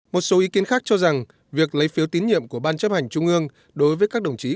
một số ý kiến khác cho rằng việc lấy phiếu tín nhiệm của ban chấp hành trung ương đối với các đồng chí